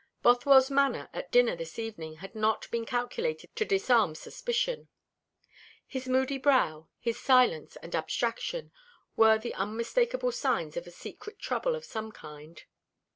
Bothwell's manner at dinner this evening had not been calculated to disarm suspicion. His moody brow, his silence and abstraction, were the unmistakable signs of secret trouble of some kind.